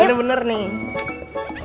ini bener nih kak